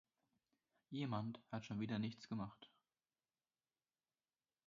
"Jemand" hat schon wieder nichts gemacht.